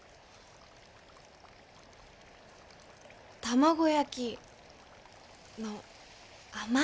卵焼きの甘いの。